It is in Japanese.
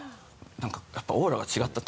何かやっぱオーラが違った。